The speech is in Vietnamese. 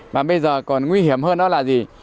mà bây giờ còn nguy hiểm hơn đó là gì